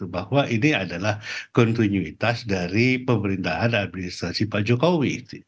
bahwa ini adalah kontinuitas dari pemerintahan administrasi pak jokowi